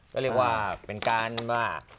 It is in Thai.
ก็เรียกว่าเป็นการว่า